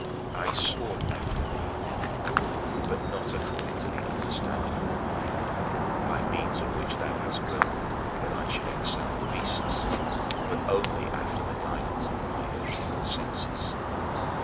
I sought after thee, but not according to the understanding of the mind, by means of which thou hast willed that I should excel the beasts, but only after the guidance of my physical senses.